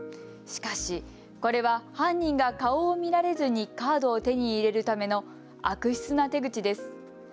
しかし、これは犯人が顔を見られずにカードを手に入れるための悪質な手口です。